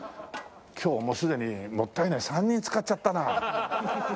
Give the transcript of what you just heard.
今日もうすでにもったいない３人使っちゃったな。